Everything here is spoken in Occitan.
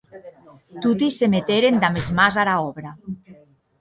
Toti se meteren damb es mans ara òbra.